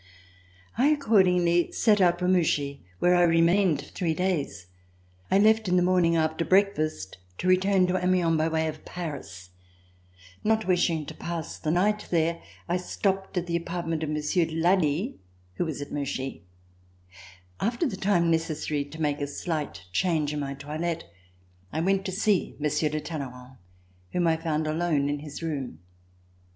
I accordingly set out for Mouchy where I remained three days. I left in the morning after breakfast to return to Amiens by way of Paris. Not wishing to pass the night there, I stopped at the apartment of Monsieur de Lally who was at Mouchy. RECOLLECTIONS OF THE REVOLUTION After the time necessary to make a slight change in my toilette, I went to see Monsieur de Talleyrand whom I found alone in his room.